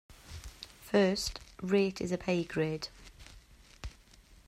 First, rate is a paygrade.